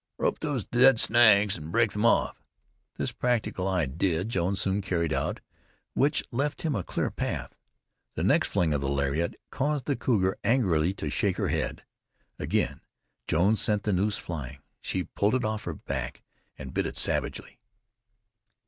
"Rope those dead snags an' break them off." This practical idea Jones soon carried out, which left him a clear path. The next fling of the lariat caused the cougar angrily to shake her head. Again Jones sent the noose flying. She pulled it off her back and bit it savagely.